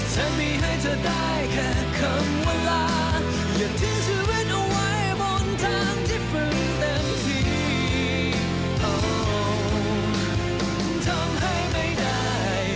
และทำให้ไม่ได้ทำให้ไม่ได้